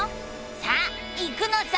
さあ行くのさ！